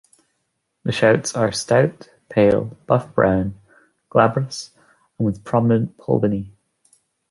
The shoots are stout, pale buff-brown, glabrous, and with prominent pulvini.